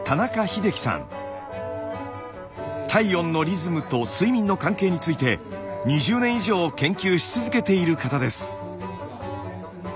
体温のリズムと睡眠の関係について２０年以上研究し続けている方です。